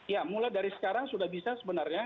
ya mulai dari sekarang sudah bisa sebenarnya